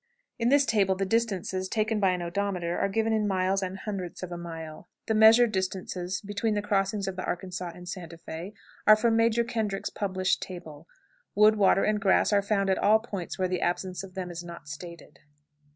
_ [In this table the distances, taken by an odometer, are given in miles and hundredths of a mile. The measured distances between the crossing of the Arkansas and Santa Fé are from Major Kendrick's published table. Wood, water, and grass are found at all points where the absence of them is not stated.